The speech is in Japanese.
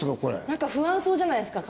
なんか不安そうじゃないですか？